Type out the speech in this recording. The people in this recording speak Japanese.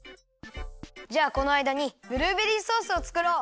じゃあこのあいだにブルーベリーソースをつくろう！